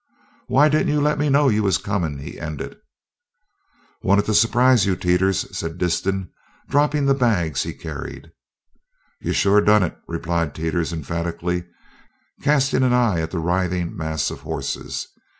"Why didn't you let me know you was comin'?" he ended. "Wanted to surprise you, Teeters," said Disston, dropping the bags he carried. "Yo shore done it!" replied Teeters emphatically, casting an eye at the writhing mass of horses.